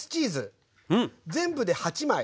全部で８枚。